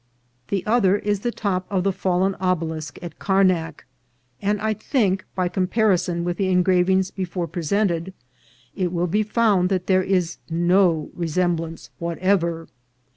The other is the top of the fallen obelisk of Carnac ; and I think, by comparison with the engra vings before presented, it will be found that there is no resemblance whatever.